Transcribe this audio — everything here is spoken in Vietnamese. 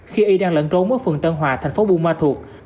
khi ấy đang lẩn trốn ở phường tân hòa thành phố bu ma thuộc